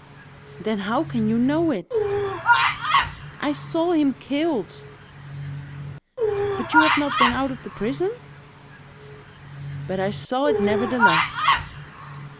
"Then how can you know it?" "I saw him killed!" "But you have not been out of the prison?" "But I saw it, nevertheless!"